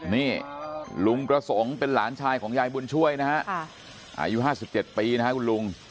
นี่ลุงประสงค์เป็นหลานชายของยายบุญช่วยนะฮะอายุห้าสิบเจ็ดปีนะฮะคุณลุง